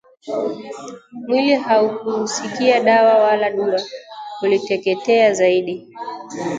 Mwili haukusikia Dawa wala Dua, uliteketea zaidi